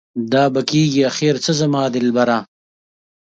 دا به کيږي اخر څه زما دلبره؟